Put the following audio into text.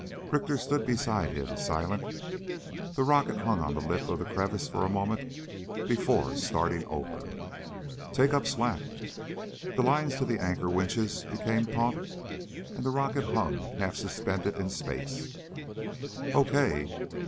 Richter stood beside him, silent. The rocket hung on the lip of the crevice for a moment before starting over. "Take up slack." The lines to the anchor winches became taut and the rocket hung, half suspended in space. "Okay."